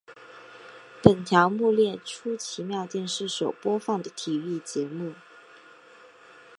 本条目列出奇妙电视所播放的体育节目。